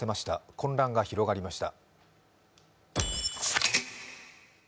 混乱が広がりました。